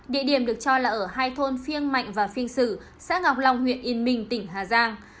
địa điểm được cho là ở hai thôn phiêng mạnh và phiên sử xã ngọc long huyện yên minh tỉnh hà giang